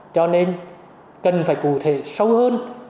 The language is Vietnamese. cho nên cần phải cụ thể sâu hơn